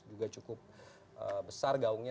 juga cukup besar gaungnya